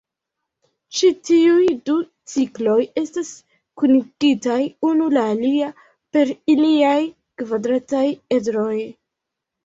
Ĉi tiuj du cikloj estas kunigitaj unu la alia per iliaj kvadrataj edroj.